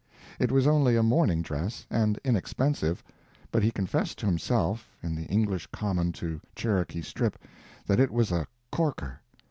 It was only a morning dress, and inexpensive, but he confessed to himself, in the English common to Cherokee Strip, that it was a "corker."